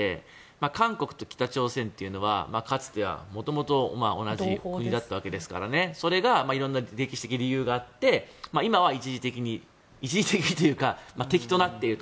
韓国と北朝鮮というのはかつては元々、同じ国だったわけですからそれが色んな歴史的な理由があって今は一時的に一時的にというか敵となっていると。